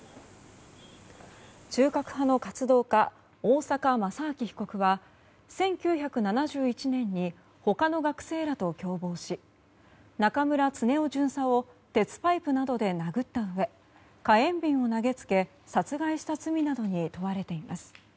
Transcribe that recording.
中核派の活動家大坂正明被告は１９７１年に他の学生らと共謀し中村恒雄巡査を鉄パイプなどで殴ったうえ火炎瓶を投げつけ殺害した罪などに問われています。